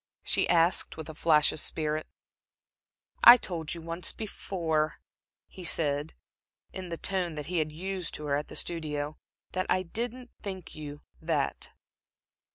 she asked, with a flash of spirit. "I told you once before," he said, in the tone that he had used to her at the studio "that I didn't think you that."